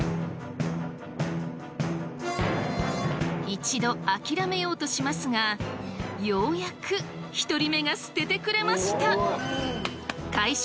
一度諦めようとしますがようやく１人目が捨ててくれました！